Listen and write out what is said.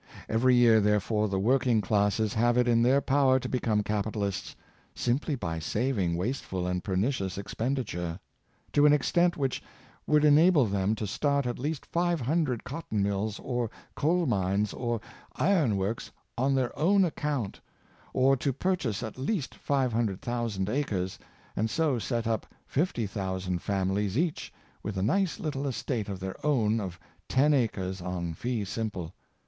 Every year, therefore, the working classes have it in their power to become capitalists {simply by saving nvasteful and pernicious expenditure) to an extent which would enable them to start at least five hundred cotton mills, or coal mines, or iron works, on their own account^ or to purchase at least 500,000 acres, and so set up 50,000 families each with a nice little estate of their own of ten acres, on fee simple.